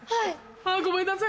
あごめんなさい